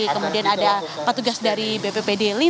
kemudian ada petugas dari bppd lima